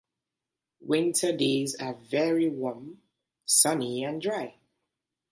Winter days are very warm, sunny and dry.